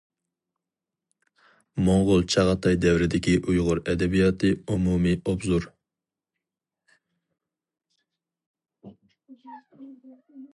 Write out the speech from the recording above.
موڭغۇل-چاغاتاي دەۋرىدىكى ئۇيغۇر ئەدەبىياتى ئومۇمىي ئوبزور.